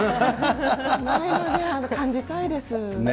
ないので、感じたいです。